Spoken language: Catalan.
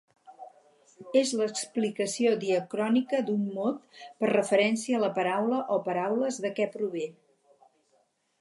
És l’explicació diacrònica d’un mot per referència a la paraula o paraules de què prové.